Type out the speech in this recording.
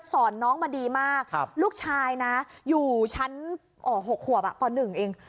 สอนน้องมาดีมากครับลูกชายนะอยู่ชั้นอ๋อหกขวบอะต่อหนึ่งเอง